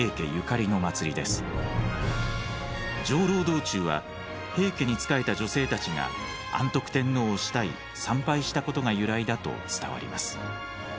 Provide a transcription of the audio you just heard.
道中は平家に仕えた女性たちが安徳天皇を慕い参拝したことが由来だと伝わります。